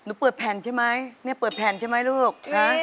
นี่เปิดแผ่นนี่เปิดแผ่นใช่ไหมลูก